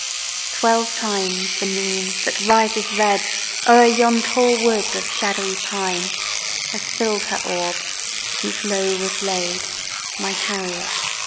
Twelve times the moon, that rises red O'er yon tall wood of shadowy pine, Has fill'd her orb, since low was laid My Harriet!